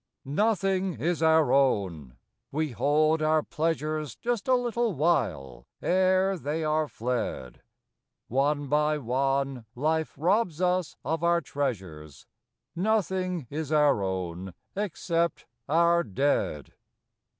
OTHING is our own: we hold our pleasures Just a little while, ere they are fled; One by one life robs us of our treasures; Nothing is our own except our Dead.